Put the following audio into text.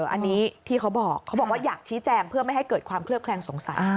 อันนี้ที่เขาบอกเขาบอกว่าอยากชี้แจงเพื่อไม่ให้เกิดความเคลือบแคลงสงสัย